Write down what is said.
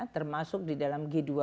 termasuk di dalam g dua puluh